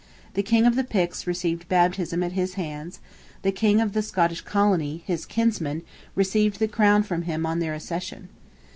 The King of the Picts received baptism at his hands; the Kings of the Scottish colony, his kinsmen, received the crown from him on their accession.